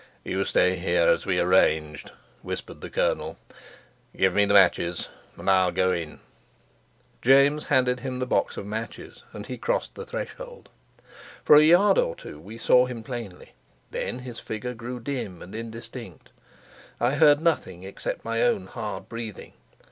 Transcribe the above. "You stay here, as we arranged," whispered the colonel. "Give me the matches, and I'll go in." James handed him the box of matches, and he crossed the threshold. For a yard or two we saw him plainly, then his figure grew dim and indistinct. I heard nothing except my own hard breathing.